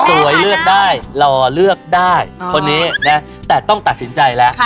เลือกได้รอเลือกได้คนนี้นะแต่ต้องตัดสินใจแล้ว